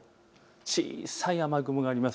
小さい雨雲があります。